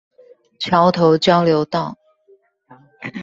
橋頭交流道